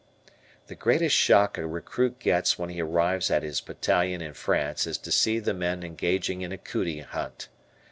The greatest shock a recruit gets when he arrives at his battalion in France is to see the men engaging in a "cootie" hunt.